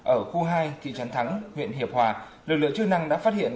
ở khu hai thị trấn thắng huyện hiệp hòa lực lượng chức năng đã phát hiện